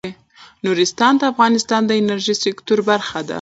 نورستان د افغانستان د انرژۍ سکتور برخه ده.